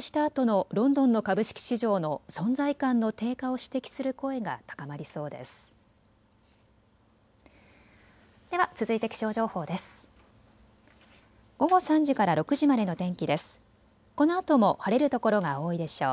このあとも晴れる所が多いでしょう。